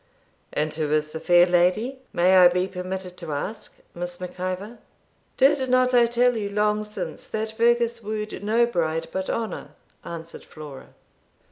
'And who is the fair lady, may I be permitted to ask, Miss Mac Ivor?' 'Did not I tell you long since that Fergus wooed no bride but Honour?' answered Flora.